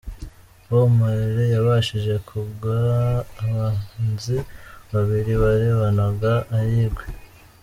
Bob Marley yabashije kunga abanzi babiri barebanaga ay’ingwe.